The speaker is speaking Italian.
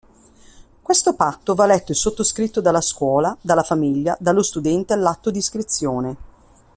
Questo patto va letto e sottoscritto dalla scuola, dalla famiglia, dallo studente all'atto di iscrizione.